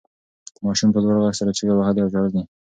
ماشوم په لوړ غږ سره چیغې وهلې او ژړل یې.